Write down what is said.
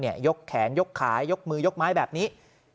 ยกแขนยกขายกมือยกไม้แบบนี้